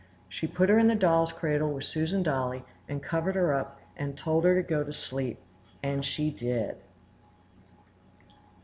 She put her in the doll's cradle with Susan Dolly, and covered her up, and told her to go to sleep, and she did!